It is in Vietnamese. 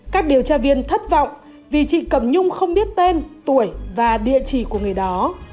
các điều tra viên thất vọng vì chị cầm nhung không biết tên tuổi và địa chỉ của người đó